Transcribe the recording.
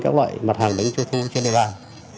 các loại mặt hàng đánh trung thu trên đề bàn